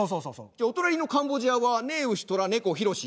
じゃあお隣のカンボジアは子丑寅猫ひろし。